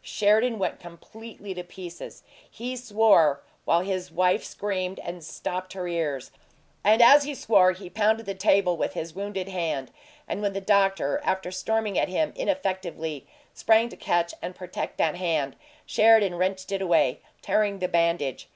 Sheridan went completely to pieces: he swore, while his wife screamed and stopped her ears. And as he swore he pounded the table with his wounded hand, and when the doctor, after storming at him ineffectively, sprang to catch and protect that hand, Sheridan wrenched it away, tearing the bandage.